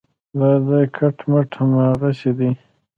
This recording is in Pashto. دا ځای کټ مټ هماغسې دی.